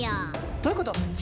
どういうこと？